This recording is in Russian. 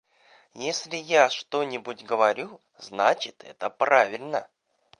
Если я что-нибудь говорю, значит, это правильно.